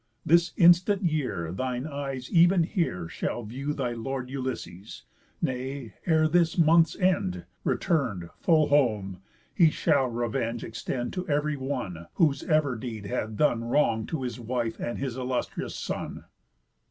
This instant year thine eyes ev'n here shall view Thy lord Ulysses. Nay, ere this month's end, Return'd full home, he shall revenge extend To ev'ry one, whose ever deed hath done Wrong to his wife and his illustrious son."